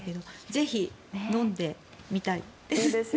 ぜひ飲んでみたいです。